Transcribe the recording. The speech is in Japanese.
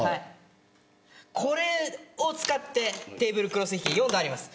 これを使ってテーブルクロス引き４段あります。